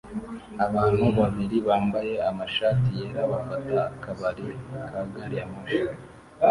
Abantu babiri bambaye amashati yera bafata akabari ka gari ya moshi